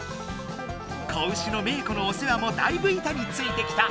子牛のメー子のおせわもだいぶ板についてきた！